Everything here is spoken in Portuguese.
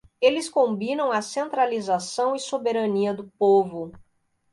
Eles combinam a centralização e soberania do povo.